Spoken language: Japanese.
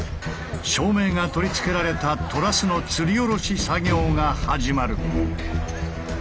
照明が取り付けられたトラスのつりおろし作業が始まる。